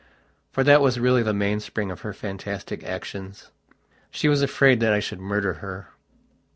For that was really the mainspring of her fantastic actions. She was afraid that I should murder her....